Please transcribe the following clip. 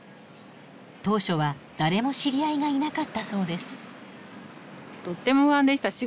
当初は誰も知り合いがいなかったそうです。